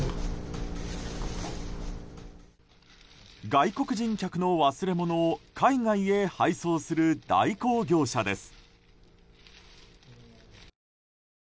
外国人客の忘れ物を海外へ配送する代行業者です。